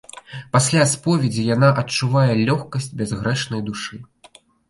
Пасля споведзі яна адчувае лёгкасць бязгрэшнай душы.